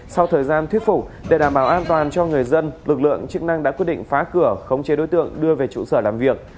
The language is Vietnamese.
sau thời gian thuyết phục để đảm bảo an toàn cho người dân lực lượng chức năng đã quyết định phá cửa khống chế đối tượng đưa về trụ sở làm việc